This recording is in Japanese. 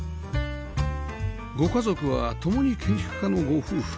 ご家族は共に建築家のご夫婦